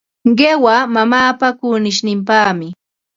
Qiwa mamaapa kunishninpaqmi.